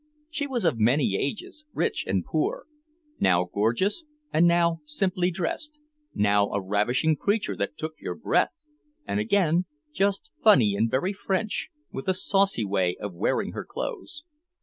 She was of many ages, rich and poor, now gorgeous and now simply dressed, now a ravishing creature that took your breath and again just funny and very French with a saucy way of wearing her clothes.